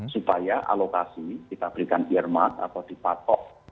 supaya alokasi di pabrikan irmat atau di patok